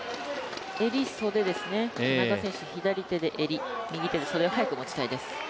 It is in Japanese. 襟、袖ですね、田中選手、左手で襟右手で袖を早く持ちたいです。